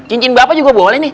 cincin bapak juga boleh nih